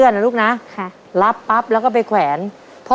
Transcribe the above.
ครอบครัวของแม่ปุ้ยจังหวัดสะแก้วนะครับ